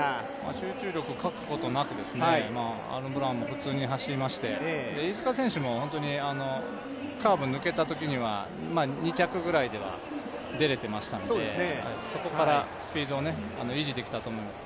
集中力を欠くことなく、アーロン・ブラウンも普通に走りまして飯塚選手も、カーブ抜けたときには２着くらいでは出られていましたので、そこからスピードを維持できたと思います。